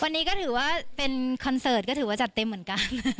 วันนี้ก็ถือว่าเป็นคอนเสิร์ตก็ถือว่าจัดเต็มเหมือนกัน